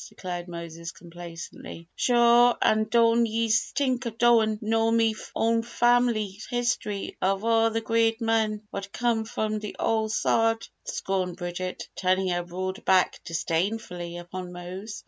declared Moses, complacently. "Shure, an' don' ye'se tink Oi don' know me own fam'ly histry ov all th' great men what come from th' ole sod!" scorned Bridget, turning her broad back disdainfully upon Mose.